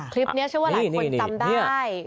คลิปนี้ชื่อว่าหลายคนจำได้